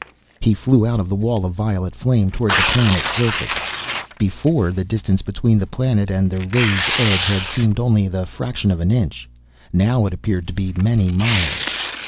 He flew out of the wall of violet flame toward the planet's surface. Before, the distance between the planet and the ray's edge had seemed only the fraction of an inch. Now it appeared to be many miles.